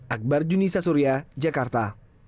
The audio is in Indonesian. akbar juni sasuria jakarta